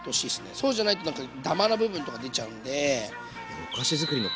そうじゃないとダマな部分とか出ちゃうんで。